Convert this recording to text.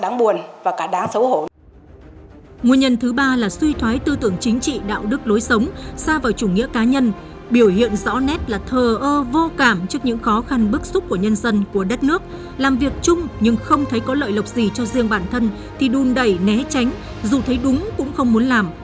nguyên nhân thứ ba là suy thoái tư tưởng chính trị đạo đức lối sống xa vào chủ nghĩa cá nhân biểu hiện rõ nét là thờ ơ vô cảm trước những khó khăn bức xúc của nhân dân của đất nước làm việc chung nhưng không thấy có lợi lộc gì cho riêng bản thân thì đùn đẩy né tránh dù thấy đúng cũng không muốn làm